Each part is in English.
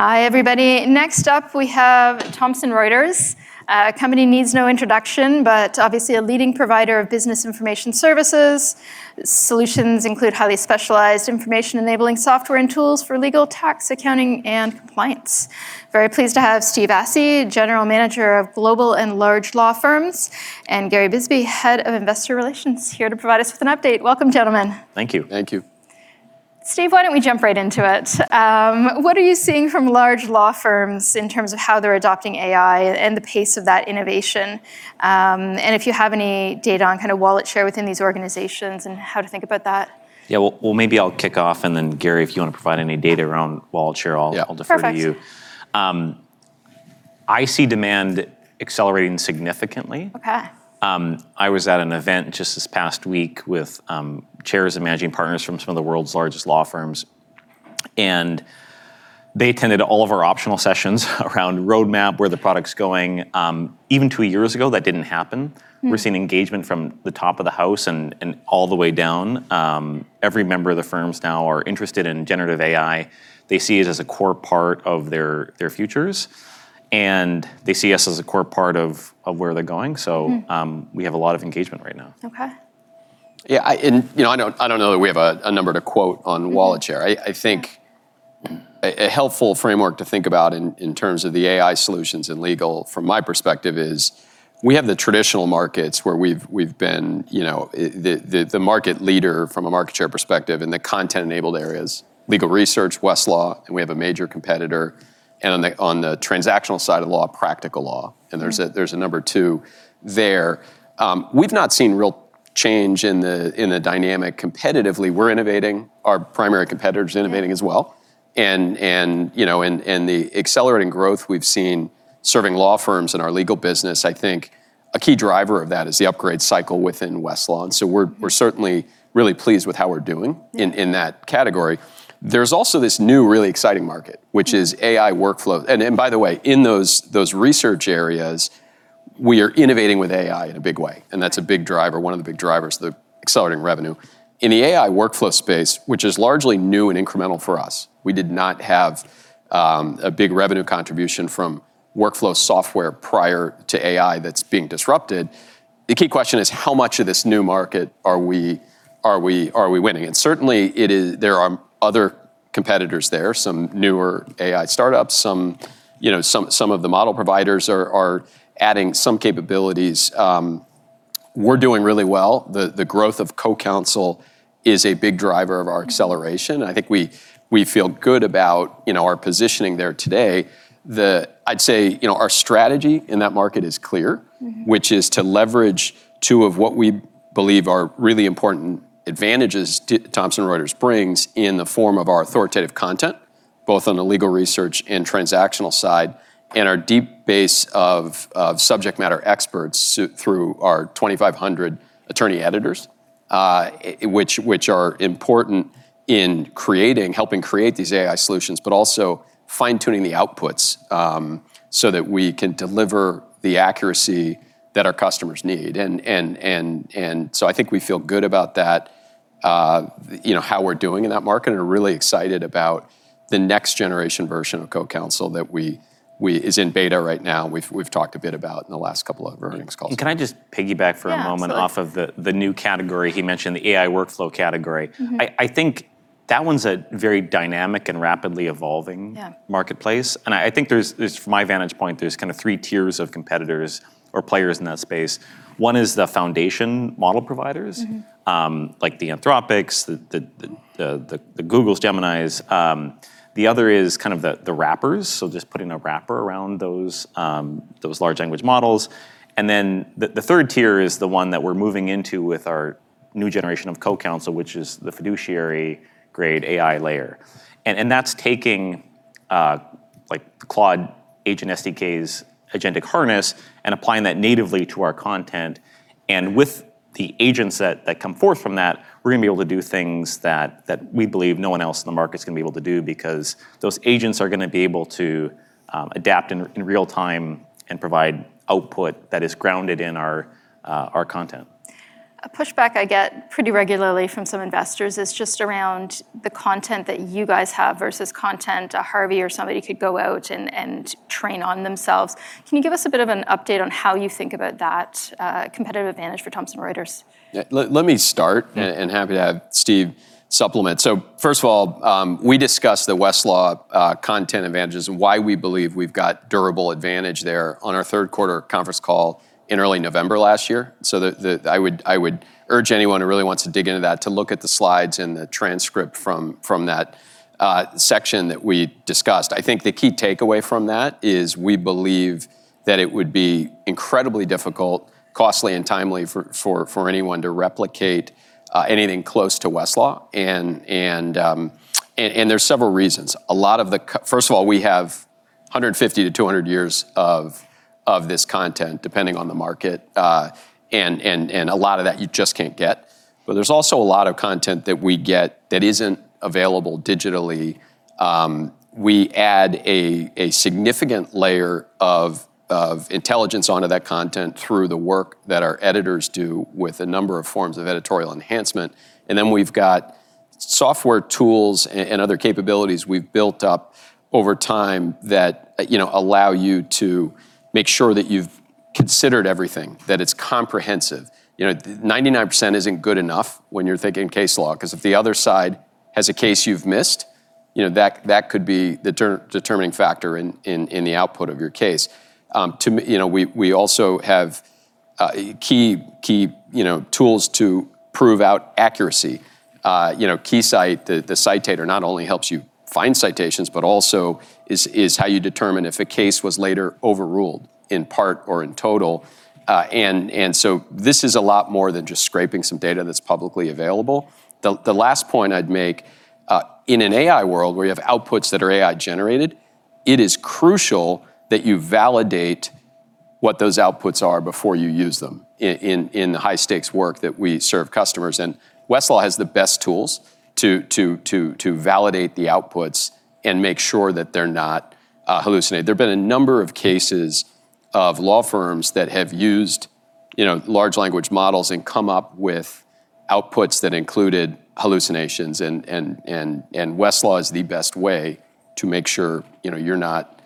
Hi, everybody. Next up, we have Thomson Reuters. A company needs no introduction, but obviously a leading provider of business information services. Solutions include highly specialized information-enabling software and tools for legal, tax, accounting, and compliance. Very pleased to have Steve Hasker, General Manager of Global and Large Law Firms, and Gary Bisbee, Head of Investor Relations, here to provide us with an update. Welcome, gentlemen. Thank you. Thank you. Steve, why don't we jump right into it? What are you seeing from large law firms in terms of how they're adopting AI and the pace of that innovation? If you have any data on kind of wallet share within these organizations and how to think about that. Yeah. Well, maybe I'll kick off, and then Gary, if you want to provide any data around wallet share. Yeah I'll defer to you. Perfect. I see demand accelerating significantly. Okay. I was at an event just this past week with chairs and managing partners from some of the world's largest law firms, and they attended all of our optional sessions around roadmap, where the product's going. Even two years ago, that didn't happen. We're seeing engagement from the top of the house and all the way down. Every member of the firms now are interested in generative AI. They see it as a core part of their futures, and they see us as a core part of where they're going. We have a lot of engagement right now. Okay. Yeah, I don't know that we have a number to quote on wallet share. I think a helpful framework to think about in terms of the AI solutions in legal, from my perspective is, we have the traditional markets where we've been the market leader from a market share perspective in the content-enabled areas, legal research, Westlaw, and we have a major competitor, and on the transactional side of law, Practical Law. There's a number two there. We've not seen real change in the dynamic competitively. We're innovating. Our primary competitor's innovating as well. The accelerating growth we've seen serving law firms in our legal business, I think a key driver of that is the upgrade cycle within Westlaw. So we're certainly really pleased with how we're doing in that category. There's also this new, really exciting market, which is AI workflow. By the way, in those research areas, we are innovating with AI in a big way, and that's a big driver, one of the big drivers, of the accelerating revenue. In the AI workflow space, which is largely new and incremental for us, we did not have a big revenue contribution from workflow software prior to AI that's being disrupted. The key question is how much of this new market are we winning? Certainly, there are other competitors there, some newer AI startups. Some of the model providers are adding some capabilities. We're doing really well. The growth of CoCounsel is a big driver of our acceleration. I think we feel good about our positioning there today. I'd say our strategy in that market is clear, which is to leverage two of what we believe are really important advantages Thomson Reuters brings in the form of our authoritative content, both on the legal research and transactional side, and our deep base of subject matter experts through our 2,500 attorney editors, which are important in helping create these AI solutions, but also fine-tuning the outputs, so that we can deliver the accuracy that our customers need. I think we feel good about that, how we're doing in that market, and are really excited about the next generation version of CoCounsel that is in beta right now, and we've talked a bit about in the last couple of earnings calls. Can I just piggyback for a moment. Yeah, absolutely. off of the new category he mentioned, the AI workflow category. I think that one's a very dynamic and rapidly evolving marketplace. I think from my vantage point, there's kind of three tiers of competitors or players in that space. One is the foundation model providers. like the Anthropic, the Google, Gemini. The other is kind of the wrappers, so just putting a wrapper around those large language models. The third tier is the one that we're moving into with our new generation of CoCounsel, which is the fiduciary-grade AI layer. That's taking like Claude Agent SDK's agentic harness and applying that natively to our content. With the agents that come forth from that, we're going to be able to do things that we believe no one else in the market's going to be able to do because those agents are going to be able to adapt in real time and provide output that is grounded in our content. A pushback I get pretty regularly from some investors is just around the content that you guys have versus content a Harvey or somebody could go out and train on themselves. Can you give us a bit of an update on how you think about that competitive advantage for Thomson Reuters? Yeah. Let me start and happy to have Steve supplement. First of all, we discussed the Westlaw content advantages and why we believe we've got durable advantage there on our third quarter conference call in early November last year. I would urge anyone who really wants to dig into that to look at the slides and the transcript from that section that we discussed. I think the key takeaway from that is we believe that it would be incredibly difficult, costly, and timely for anyone to replicate anything close to Westlaw, and there's several reasons. First of all, we have 150-200 years of this content, depending on the market, and a lot of that you just can't get. There's also a lot of content that we get that isn't available digitally. We add a significant layer of intelligence onto that content through the work that our editors do with a number of forms of editorial enhancement, then we've got software tools and other capabilities we've built up over time that allow you to make sure that you've considered everything, that it's comprehensive. 99% isn't good enough when you're thinking case law, because if the other side has a case you've missed, that could be the determining factor in the output of your case. We also have key tools to prove out accuracy. KeyCite, the citator, not only helps you find citations, but also is how you determine if a case was later overruled in part or in total. This is a lot more than just scraping some data that's publicly available. The last point I'd make, in an AI world where you have outputs that are AI-generated, it is crucial that you validate what those outputs are before you use them in the high-stakes work that we serve customers. Westlaw has the best tools to validate the outputs and make sure that they're not hallucinated. There've been a number of cases of law firms that have used large language models and come up with outputs that included hallucinations, Westlaw is the best way to make sure you're not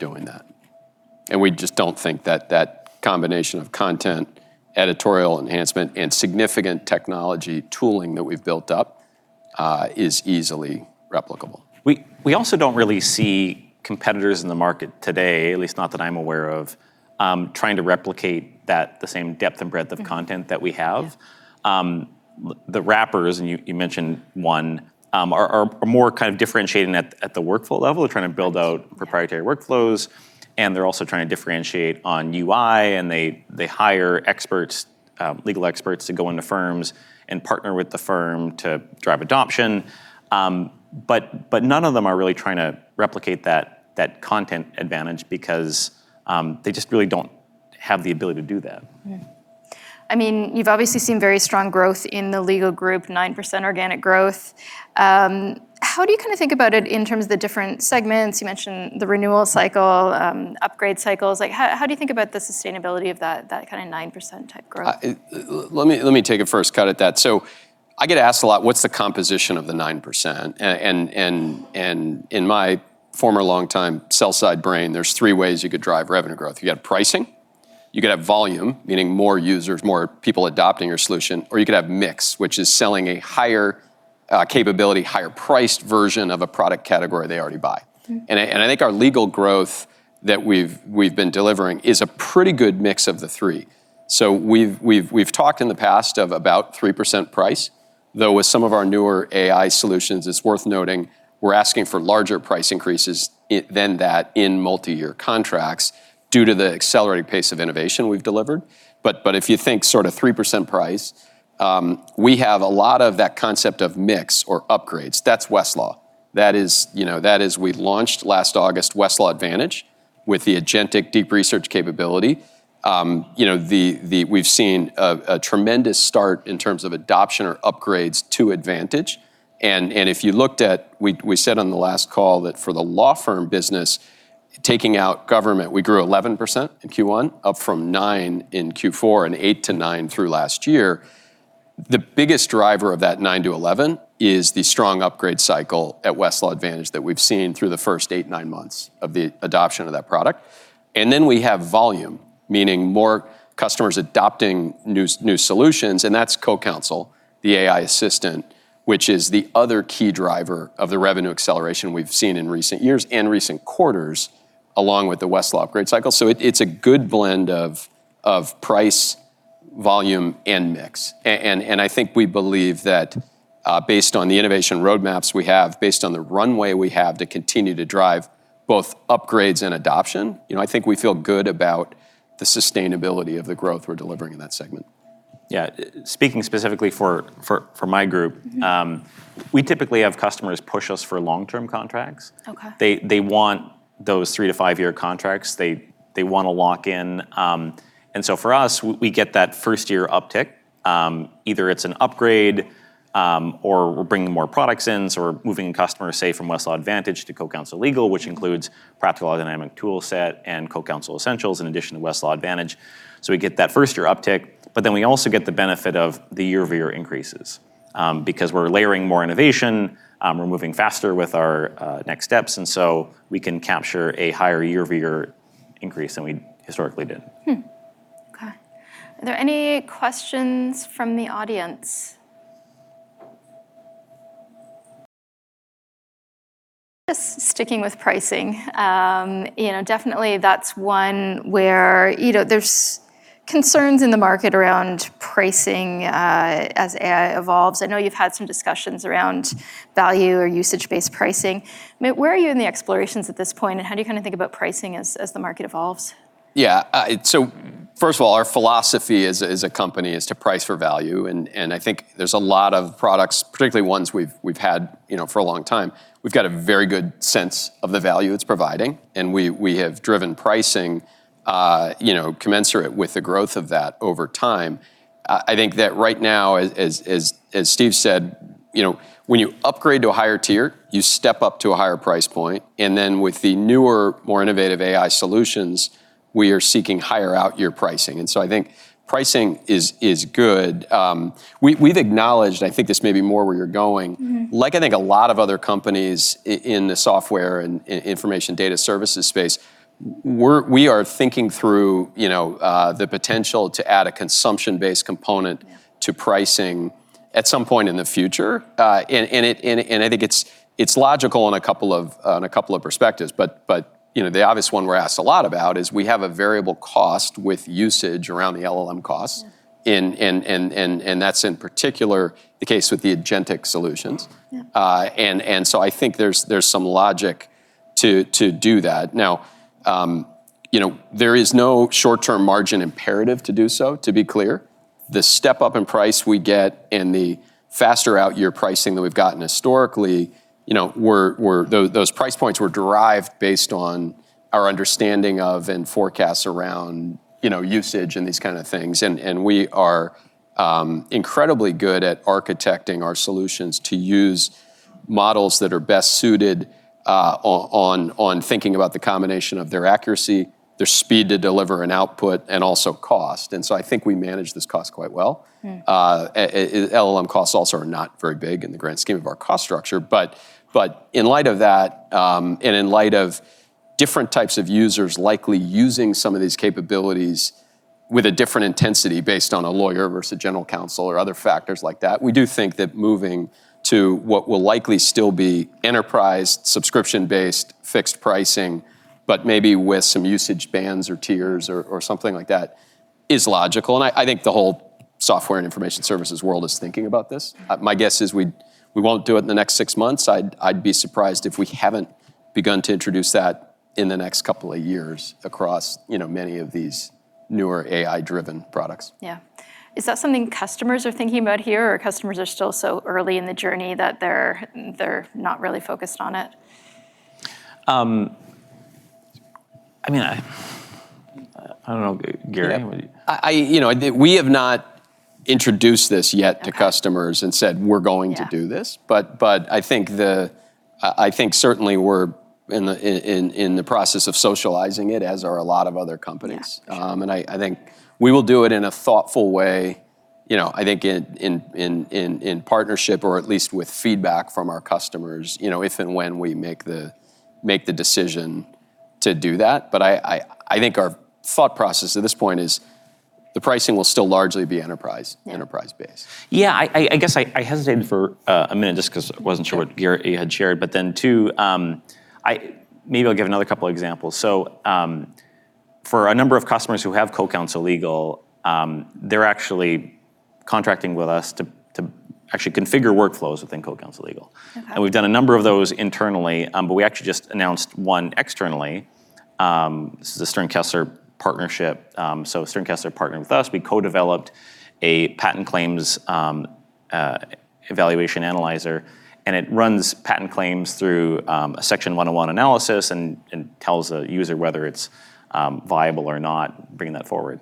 doing that. We just don't think that that combination of content, editorial enhancement, and significant technology tooling that we've built up is easily replicable. We also don't really see competitors in the market today, at least not that I'm aware of, trying to replicate the same depth and breadth of content that we have. Yeah. The wrappers, and you mentioned one, are more kind of differentiating at the workflow level. They're trying to build out proprietary workflows, and they're also trying to differentiate on UI, and they hire legal experts to go into firms and partner with the firm to drive adoption. None of them are really trying to replicate that content advantage because they just really don't have the ability to do that. Yeah. You've obviously seen very strong growth in the legal group, 9% organic growth. How do you think about it in terms of the different segments? You mentioned the renewal cycle, upgrade cycles. How do you think about the sustainability of that kind of 9% type growth? Let me take a first cut at that. I get asked a lot, what's the composition of the 9%? In my former longtime sell side brain, there's three ways you could drive revenue growth. You could have pricing, you could have volume, meaning more users, more people adopting your solution, or you could have mix, which is selling a higher capability, higher priced version of a product category they already buy. I think our legal growth that we've been delivering is a pretty good mix of the three. We've talked in the past of about 3% price, though with some of our newer AI solutions, it's worth noting we're asking for larger price increases than that in multi-year contracts due to the accelerated pace of innovation we've delivered. If you think sort of 3% price, we have a lot of that concept of mix or upgrades. That's Westlaw. That is we launched last August Westlaw Advantage with the agentic deep research capability. We've seen a tremendous start in terms of adoption or upgrades to Advantage. If you looked at, we said on the last call that for the law firm business, taking out government, we grew 11% in Q1, up from 9% in Q4 and 8%-9% through last year. The biggest driver of that 9 to 11 is the strong upgrade cycle at Westlaw Advantage that we've seen through the first eight, nine months of the adoption of that product. We have volume, meaning more customers adopting new solutions, and that's CoCounsel, the AI assistant, which is the other key driver of the revenue acceleration we've seen in recent years and recent quarters, along with the Westlaw upgrade cycle. It's a good blend of price, volume, and mix. We believe that based on the innovation roadmaps we have, based on the runway we have to continue to drive both upgrades and adoption, I think we feel good about the sustainability of the growth we're delivering in that segment. Yeah. We typically have customers push us for long-term contracts. Okay. They want those three-five-year contracts. They want to lock in. For us, we get that first-year uptick. Either it's an upgrade or we're bringing more products in, so we're moving customers, say, from Westlaw Advantage to CoCounsel Legal, which includes Practical Law Dynamic Tool Set and CoCounsel Essentials in addition to Westlaw Advantage. We get that first-year uptick, we also get the benefit of the year-over-year increases. We're layering more innovation, we're moving faster with our next steps, we can capture a higher year-over-year increase than we historically did. Okay. Are there any questions from the audience? Just sticking with pricing. Definitely that's one where there's concerns in the market around pricing as AI evolves. I know you've had some discussions around value or usage-based pricing. I mean, where are you in the explorations at this point, and how do you think about pricing as the market evolves? Yeah. First of all, our philosophy as a company is to price for value. I think there's a lot of products, particularly ones we've had for a long time, we've got a very good sense of the value it's providing. We have driven pricing commensurate with the growth of that over time. I think that right now, as Steve said, when you upgrade to a higher tier, you step up to a higher price point. With the newer, more innovative AI solutions. We are seeking higher out-year pricing. I think pricing is good. We've acknowledged, I think this may be more where you're going. Like I think a lot of other companies in the software and information data services space, we are thinking through the potential to add a consumption-based component to pricing at some point in the future. I think it's logical on a couple of perspectives. The obvious one we're asked a lot about is we have a variable cost with usage around the LLM costs. Yeah. That's in particular the case with the agentic solutions. Yeah. I think there's some logic to do that. Now, there is no short-term margin imperative to do so, to be clear. The step-up in price we get and the faster out-year pricing that we've gotten historically, those price points were derived based on our understanding of and forecasts around usage and these kind of things. We are incredibly good at architecting our solutions to use models that are best suited on thinking about the combination of their accuracy, their speed to deliver an output, and also cost. I think we manage this cost quite well. Yeah. LLM costs also are not very big in the grand scheme of our cost structure. In light of that, and in light of different types of users likely using some of these capabilities with a different intensity based on a lawyer versus general counsel or other factors like that, we do think that moving to what will likely still be enterprise subscription-based fixed pricing, but maybe with some usage bands or tiers or something like that, is logical. I think the whole software and information services world is thinking about this. My guess is we won't do it in the next six months. I'd be surprised if we haven't begun to introduce that in the next two years across many of these newer AI-driven products. Yeah. Is that something customers are thinking about here, or customers are still so early in the journey that they're not really focused on it? I don't know, Gary. We have not introduced this yet to customers and said we're going to do this. I think certainly we're in the process of socializing it, as are a lot of other companies. Yeah, sure. I think we will do it in a thoughtful way, I think in partnership or at least with feedback from our customers, if and when we make the decision to do that. I think our thought process at this point is the pricing will still largely be enterprise, enterprise-based. Yeah, I guess I hesitated for a minute just because I wasn't sure what Gary had shared. Two, maybe I'll give another couple examples. For a number of customers who have CoCounsel Legal, they're actually contracting with us to actually configure workflows within CoCounsel Legal. Okay. We've done a number of those internally, but we actually just announced one externally. This is a Sterne Kessler partnership. Sterne Kessler partnered with us. We co-developed a patent claims evaluation analyzer, and it runs patent claims through a Section 101 analysis and tells a user whether it's viable or not bringing that forward.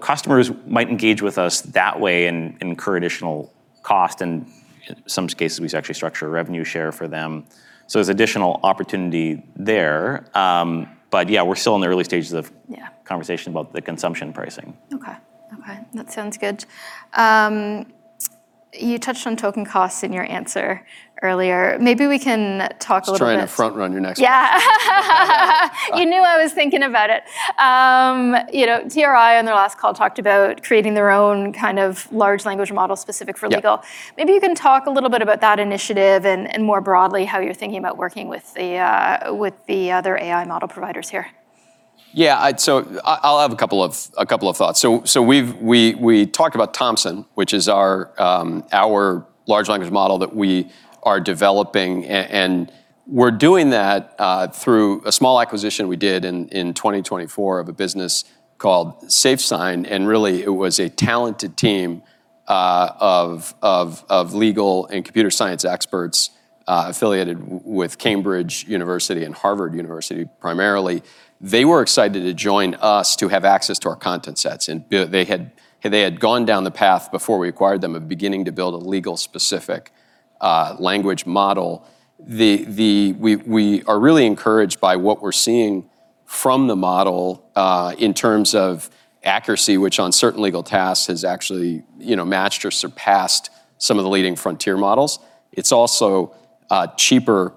Customers might engage with us that way and incur additional cost, and in some cases, we actually structure a revenue share for them. There's additional opportunity there. Yeah, we're still in the early stages of conversation about the consumption pricing. Okay. That sounds good. You touched on token costs in your answer earlier. Just trying to front run your next one. Yeah. You knew I was thinking about it. TRI on their last call talked about creating their own kind of large language model specific for legal. Yeah. Maybe you can talk a little bit about that initiative and more broadly, how you're thinking about working with the other AI model providers here. Yeah. I'll have a couple of thoughts. We talked about Thomson, which is our large language model that we are developing, and we're doing that through a small acquisition we did in 2024 of a business called Safe Sign, and really it was a talented team of legal and computer science experts affiliated with University of Cambridge and Harvard University primarily. They were excited to join us to have access to our content sets. They had gone down the path before we acquired them of beginning to build a legal specific language model. We are really encouraged by what we're seeing from the model, in terms of accuracy, which on certain legal tasks has actually matched or surpassed some of the leading frontier models. It's also cheaper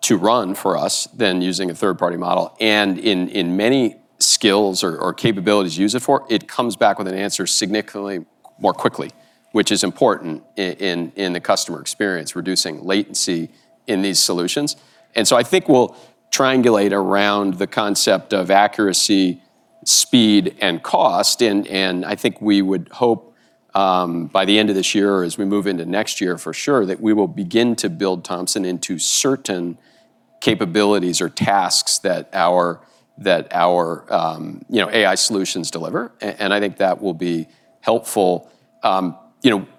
to run for us than using a third-party model. In many skills or capabilities you use it for, it comes back with an answer significantly more quickly, which is important in the customer experience, reducing latency in these solutions. I think we'll triangulate around the concept of accuracy, speed, and cost, and I think we would hope, by the end of this year or as we move into next year for sure, that we will begin to build Thomson into certain capabilities or tasks that our AI solutions deliver. I think that will be helpful.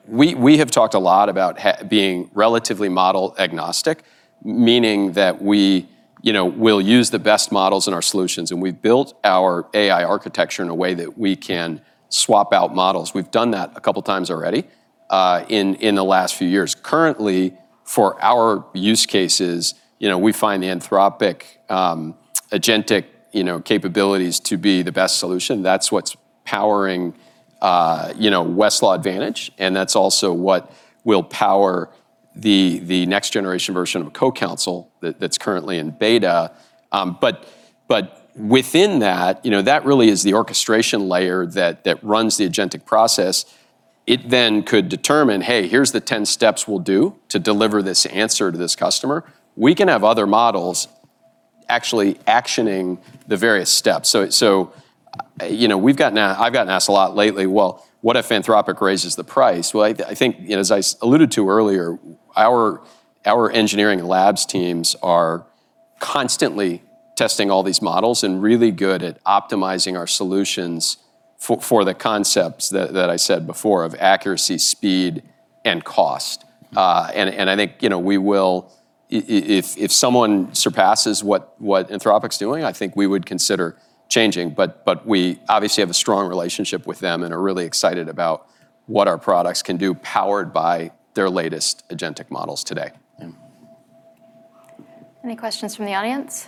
We have talked a lot about being relatively model agnostic, meaning that we'll use the best models in our solutions, and we've built our AI architecture in a way that we can swap out models. We've done that a couple of times already in the last few years. Currently, for our use cases, we find the Anthropic agentic capabilities to be the best solution. That's what's powering Westlaw Advantage, and that's also what will power the next generation version of CoCounsel that's currently in beta. Within that really is the orchestration layer that runs the agentic process. It could determine, hey, here's the 10 steps we'll do to deliver this answer to this customer. We can have other models actually actioning the various steps. I've gotten asked a lot lately, well, what if Anthropic raises the price? I think as I alluded to earlier, our engineering labs teams are constantly testing all these models and really good at optimizing our solutions for the concepts that I said before of accuracy, speed, and cost. I think if someone surpasses what Anthropic's doing, I think we would consider changing. We obviously have a strong relationship with them and are really excited about what our products can do powered by their latest agentic models today. Any questions from the audience?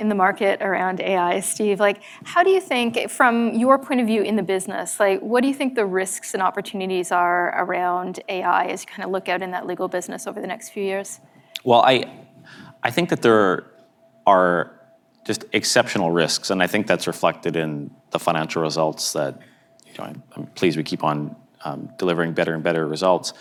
In the market around AI, Steve, how do you think from your point of view in the business, what do you think the risks and opportunities are around AI as you look out in that legal business over the next few years? I think that there are just exceptional risks, and I think that's reflected in the financial results that I'm pleased we keep on delivering better and better results.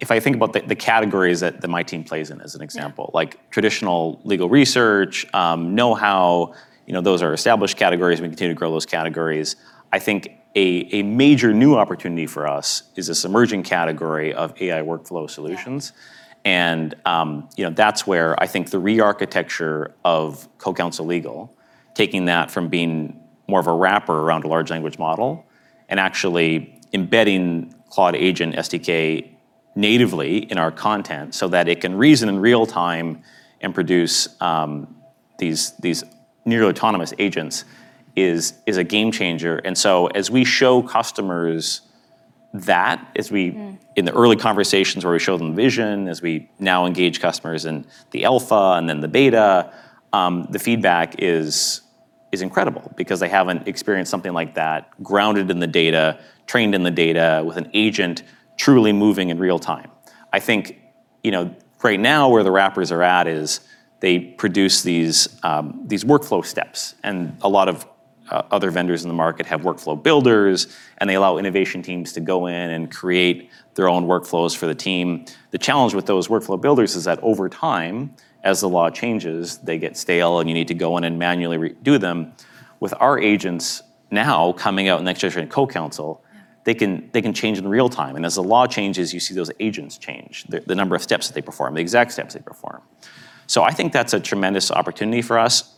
If I think about the categories that my team plays in as an example, like traditional legal research, know-how, those are established categories. We continue to grow those categories. I think a major new opportunity for us is this emerging category of AI workflow solutions. Yeah. That's where I think the re-architecture of CoCounsel Legal, taking that from being more of a wrapper around a large language model and actually embedding Claude Agent SDK natively in our content so that it can reason in real-time and produce these near autonomous agents is a game changer. As we show customers that, in the early conversations where we showed them vision, as we now engage customers in the alpha and then the beta, the feedback is incredible because they haven't experienced something like that grounded in the data, trained in the data, with an agent truly moving in real-time. I think right now where the wrappers are at is they produce these workflow steps, and a lot of other vendors in the market have workflow builders, and they allow innovation teams to go in and create their own workflows for the team. The challenge with those workflow builders is that over time, as the law changes, they get stale, and you need to go in and manually redo them. With our agents now coming out next generation CoCounsel. They can change in real time. As the law changes, you see those agents change, the number of steps that they perform, the exact steps they perform. I think that's a tremendous opportunity for us.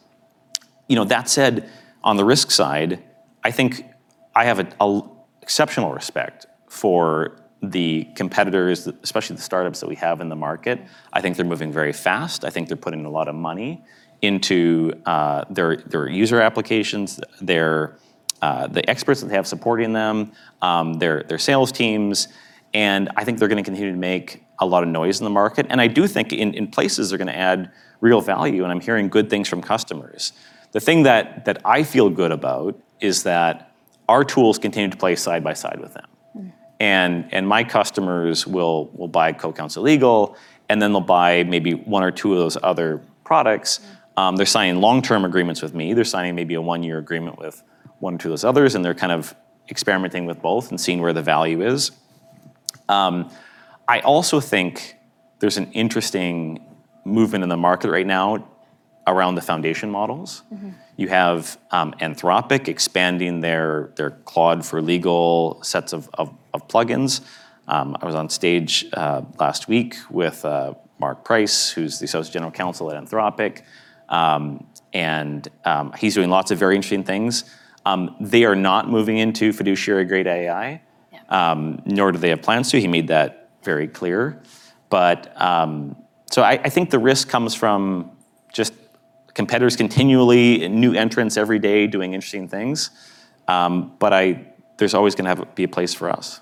That said, on the risk side, I think I have an exceptional respect for the competitors, especially the startups that we have in the market. I think they're moving very fast. I think they're putting a lot of money into their user applications, the experts that they have supporting them, their sales teams, and I think they're going to continue to make a lot of noise in the market. I do think in places they're going to add real value, and I'm hearing good things from customers. The thing that I feel good about is that our tools continue to play side by side with them. My customers will buy CoCounsel Legal, and then they'll buy maybe one or two of those other products. They're signing long-term agreements with me. They're signing maybe a one-year agreement with one or two of those others, and they're kind of experimenting with both and seeing where the value is. I also think there's an interesting movement in the market right now around the foundation models. You have Anthropic expanding their Claude for legal sets of plugins. I was on stage last week with Mark Pike, who is the Associate General Counsel at Anthropic, and he is doing lots of very interesting things. They are not moving into fiduciary-grade AI. Yeah. Nor do they have plans to. He made that very clear. I think the risk comes from just competitors continually and new entrants every day doing interesting things. There's always going to be a place for us.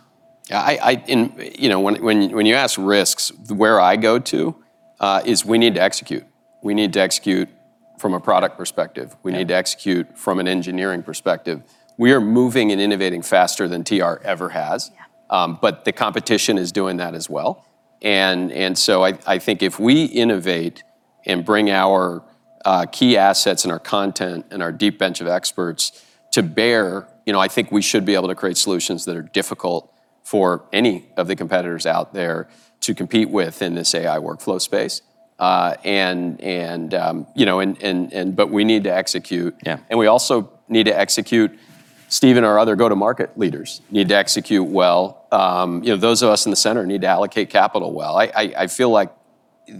Yeah. When you ask risks, where I go to is we need to execute. We need to execute from a product perspective. We need to execute from an engineering perspective. We are moving and innovating faster than TR ever has. Yeah. The competition is doing that as well. I think if we innovate and bring our key assets and our content and our deep bench of experts to bear, I think we should be able to create solutions that are difficult for any of the competitors out there to compete with in this AI workflow space. We need to execute. Yeah. We also need to execute, Steve and our other go-to-market leaders need to execute well. Those of us in the center need to allocate capital well. I feel like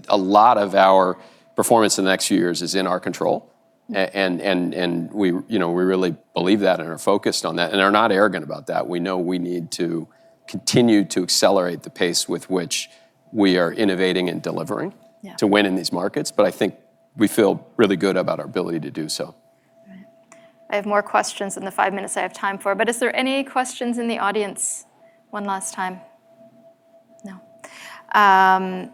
a lot of our performance in the next few years is in our control. Yeah. We really believe that and are focused on that and are not arrogant about that. We know we need to continue to accelerate the pace with which we are innovating and delivering to win in these markets, but I think we feel really good about our ability to do so. I have more questions than the five minutes I have time for, but are there any questions in the audience one last time? No.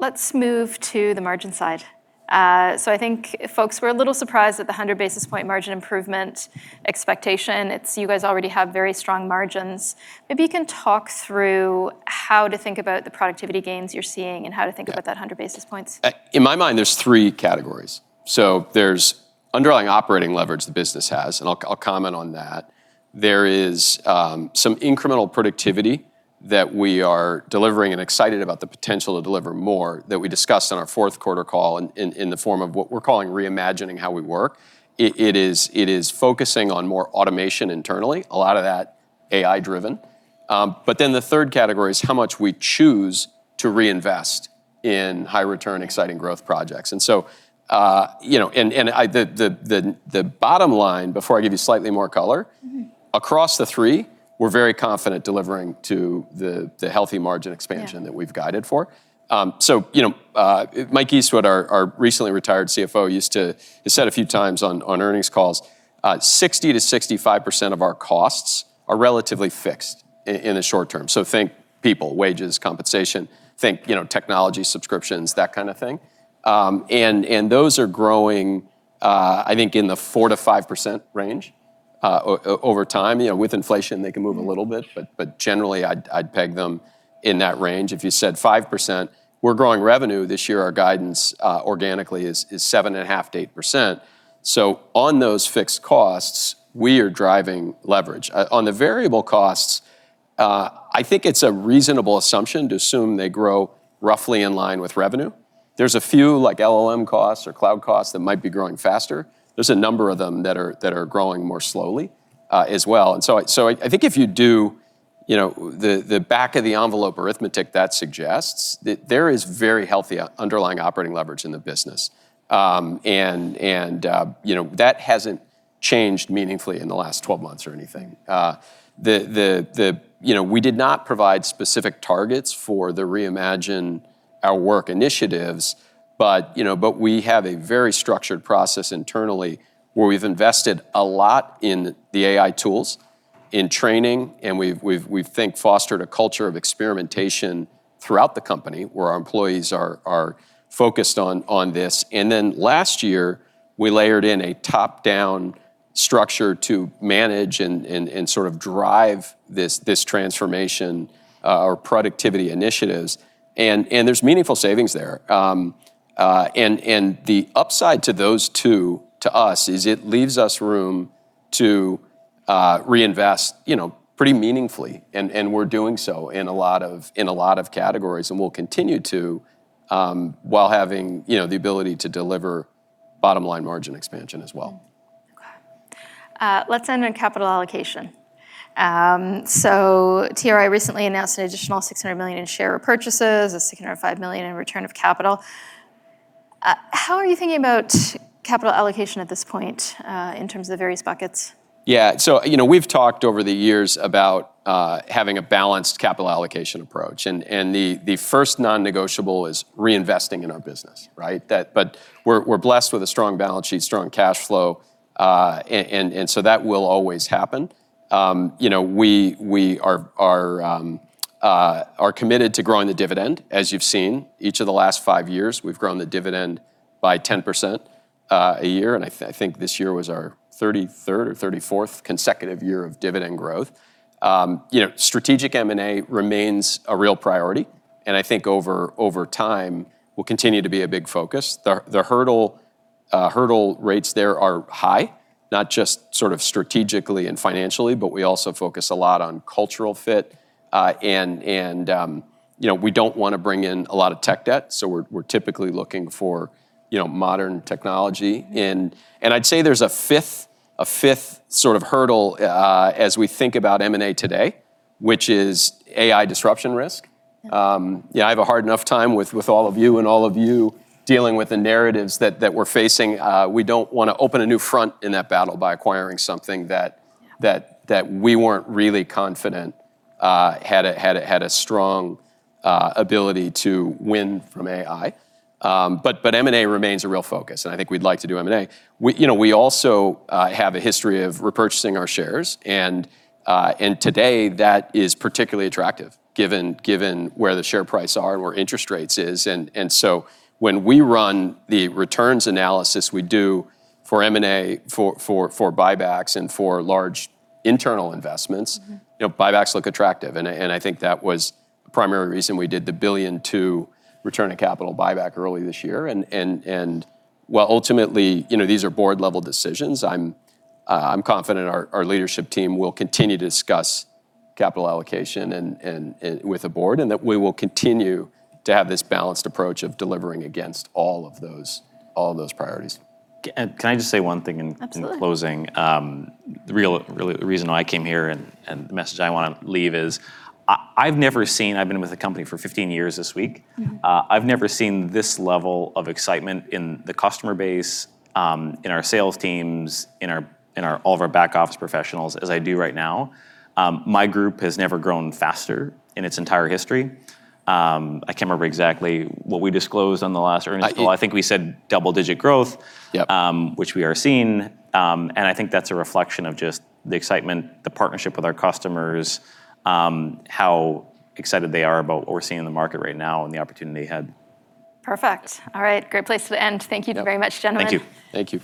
Let's move to the margin side. I think folks were a little surprised at the 100-basis-point margin improvement expectation. You guys already have very strong margins. Maybe you can talk through how to think about the productivity gains you're seeing and how to think about that 100 basis points. In my mind, there's three categories. There's underlying operating leverage the business has, and I'll comment on that. There is some incremental productivity that we are delivering and excited about the potential to deliver more that we discussed on our fourth quarter call in the form of what we're calling Reimagining How We Work. It is focusing on more automation internally, a lot of that AI-driven. The third category is how much we choose to reinvest in high-return, exciting growth projects. The bottom line, before I give you slightly more color. Across the three, we're very confident delivering to the healthy margin expansion that we've guided for. Mike Eastwood, our recently retired CFO, used to say a few times on earnings calls, 60%-65% of our costs are relatively fixed in the short term. Think people, wages, compensation, think technology, subscriptions, that kind of thing. Those are growing, I think, in the 4%-5% range over time. With inflation, they can move a little bit, but generally, I'd peg them in that range. If you said 5%, we're growing revenue this year, our guidance organically is 7.5%-8%. On those fixed costs, we are driving leverage. On the variable costs, I think it's a reasonable assumption to assume they grow roughly in line with revenue. There's a few LLM costs or cloud costs that might be growing faster. There's a number of them that are growing more slowly as well. I think if you do the back-of-the-envelope arithmetic that suggests, there is very healthy underlying operating leverage in the business. That hasn't changed meaningfully in the last 12 months or anything. We did not provide specific targets for the Reimagine Our Work initiatives, but we have a very structured process internally where we've invested a lot in the AI tools, in training, and we've, think, fostered a culture of experimentation throughout the company where our employees are focused on this. Then last year, we layered in a top-down structure to manage and sort of drive this transformation, our productivity initiatives. There's meaningful savings there. The upside to those two to us is it leaves us room to reinvest pretty meaningfully, and we're doing so in a lot of categories, and we'll continue to while having the ability to deliver bottom-line margin expansion as well. Okay. Let's end on capital allocation. TRI recently announced an additional $600 million in share repurchases, a $605 million in return of capital. How are you thinking about capital allocation at this point in terms of the various buckets? Yeah. We've talked over the years about having a balanced capital allocation approach. The first non-negotiable is reinvesting in our business, right? We're blessed with a strong balance sheet, strong cash flow, and so that will always happen. We are committed to growing the dividend, as you've seen. Each of the last five years, we've grown the dividend by 10% a year, and I think this year was our 33rd or 34th consecutive year of dividend growth. Strategic M&A remains a real priority, and I think over time will continue to be a big focus. The hurdle rates there are high, not just sort of strategically and financially, but we also focus a lot on cultural fit. We don't want to bring in a lot of tech debt, so we're typically looking for modern technology. I'd say there's a fifth sort of hurdle, as we think about M&A today, which is AI disruption risk. Yeah. Yeah, I have a hard enough time with all of you and all of you dealing with the narratives that we're facing. We don't want to open a new front in that battle by acquiring something. Yeah We weren't really confident had a strong ability to win from AI. M&A remains a real focus, and I think we'd like to do M&A. We also have a history of repurchasing our shares, and today, that is particularly attractive given where the share price are, where interest rates is. When we run the returns analysis we do for M&A, for buybacks, and for large internal investments. Buybacks look attractive. I think that was the primary reason we did the $1 billion to return a capital buyback early this year. While ultimately, these are board-level decisions, I'm confident our leadership team will continue to discuss capital allocation with the board, and that we will continue to have this balanced approach of delivering against all of those priorities. Can I just say one thing in closing? Absolutely. The real reason why I came here and the message I want to leave is, I've been with the company for 15 years this week. I've never seen this level of excitement in the customer base, in our sales teams, in all of our back-office professionals as I do right now. My group has never grown faster in its entire history. I can't remember exactly what we disclosed on the last earnings call. I think we said double-digit growth. Yep Which we are seeing. I think that's a reflection of just the excitement, the partnership with our customers, how excited they are about what we're seeing in the market right now and the opportunity ahead. Perfect. All right. Great place to end. Thank you very much, gentlemen. Thank you. Thank you.